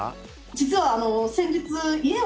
実は先日。